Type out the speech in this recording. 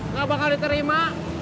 nggak bakal diterima